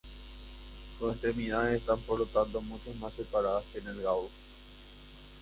Sus extremidades están por lo tanto mucho más separadas que en el gaur.